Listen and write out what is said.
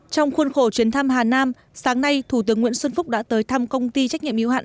trong khuôn khổ chuyến thăm hà nam sáng nay thủ tướng nguyễn xuân phúc đã tới thăm công ty trách nhiệm yếu hạn